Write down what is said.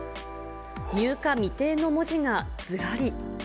入荷未定の文字がずらり。